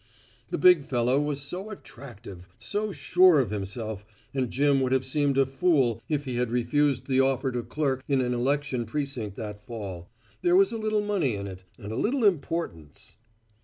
The big fellow was so attractive, so sure of himself, and Jim would have seemed a fool if he had refused the offer to clerk in an election precinct that fall. There was a little money in it, and a little importance.